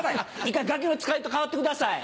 一回『ガキの使い』と代わってください。